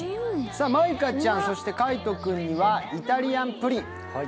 舞香ちゃん、海音君にはイタリアンプリン。